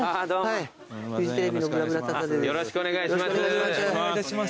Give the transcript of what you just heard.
よろしくお願いします。